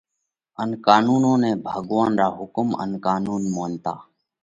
ان قانونون نئہ ڀڳوونَ را حُڪم ان قانُون مونتا